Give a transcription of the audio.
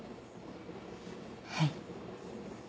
はい。